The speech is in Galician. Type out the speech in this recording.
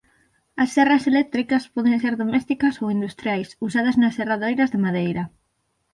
As serras eléctricas poden ser domésticas ou industriais usadas nas serradoiros de madeira.